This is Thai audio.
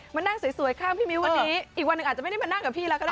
มานั่งสวยข้างพี่มิ้ววันนี้อีกวันหนึ่งอาจจะไม่ได้มานั่งกับพี่แล้วก็ได้